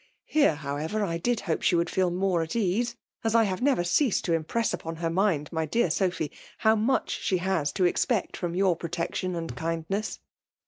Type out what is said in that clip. Here, however, I did hopd she would feel more at ease; as I have never ceased to impress upon her mind, my deal' Sophy, how much she has to expect fxom your protection and kindness."